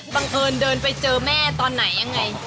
บังเอิญเดินไปเจอแม่ตอนไหนยังไง